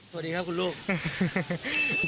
สวัสดีครับพ่อคุณลูกสวัสดีครับ